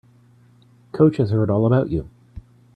Coach has heard all about you.